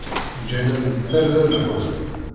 Ǧǧan-am-d tarda leḥwal.